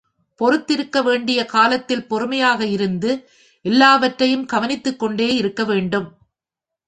பொறுத்திருக்க வேண்டிய காலத்தில் பொறுமையாக இருந்து எல்லாவற்றையும் கவனித்துக்கொண்டே இருக்க வேண்டும்.